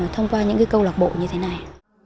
thông qua những câu lạc bộ như thế này